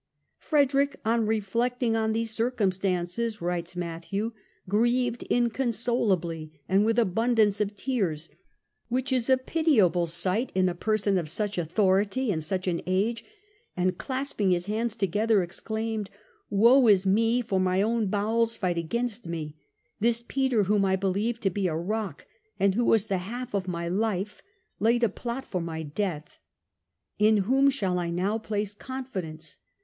" Frederick, on reflecting on this circumstance," writes Matthew, " grieved inconsolably and with abun dance of tears, which is a pitiable sight in a person of such authority and such an age ; and clasping his hands together, exclaimed, * Woe is me, for my own bowels fight against me ; this Peter, whom I believed to be a rock, and who was the half of my life, laid a plot for my death. In whom shall I now place confidence